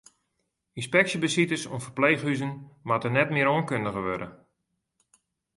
Ynspeksjebesites oan ferpleechhûzen moatte net mear oankundige wurde.